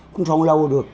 cũng sống lâu được